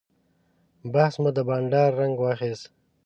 بحث مو د بانډار رنګ واخیست.